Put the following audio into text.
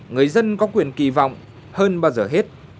người dân có quyền kỳ vọng hơn bao giờ hết